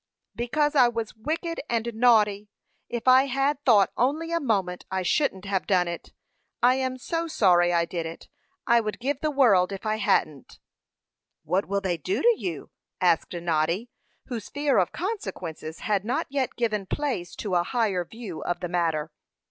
"Because I was wicked and naughty. If I had thought only a moment, I shouldn't have done it. I am so sorry I did it! I would give the world if I hadn't." "What will they do to you?" asked Noddy, whose fear of consequences had not yet given place to a higher view of the matter.